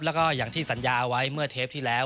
แล้วก็อย่างที่สัญญาไว้เมื่อเทปที่แล้ว